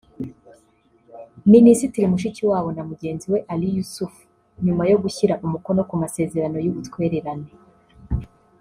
Minisitiri Mushikiwabo na mugenzi we Ali Youssouf nyuma yo gushyira umukono ku masezerano y’ubutwererane